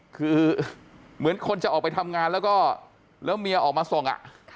คือเหมือนคนจะออกไปทำงานแล้วก็แล้วเมียออกมาส่ง